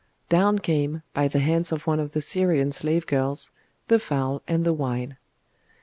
Down came, by the hands of one of the Syrian slave girls, the fowl and the wine.